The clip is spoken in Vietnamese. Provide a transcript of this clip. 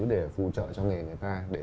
để phụ trợ cho nghề người ta